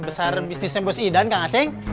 sebesar bisnisnya bos idan kang aceng